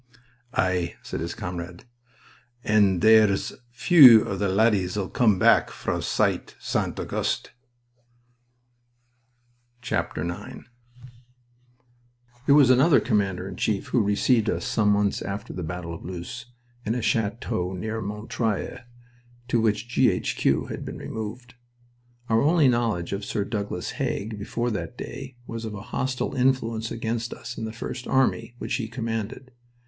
"Ay," said his comrade, "an' there's few o' the laddies'll come back fra Cite St. Auguste." IX It was another commander in chief who received us some months after the battle of Loos, in a chateau near Montreuil, to which G. H. Q. had then removed. Our only knowledge of Sir Douglas Haig before that day was of a hostile influence against us in the First Army, which he commanded.